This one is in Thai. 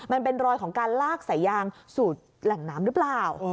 มันเป็นรอยของการลากสายยางสู่แหล่งน้ำหรือเปล่า